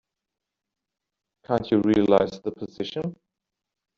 Can't you realize the position?